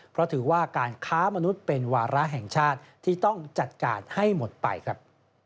เพราะถือว่าการค้ามนุษย์เป็นวาระแห่งชาติที่ต้องจัดการให้หมดไปครับ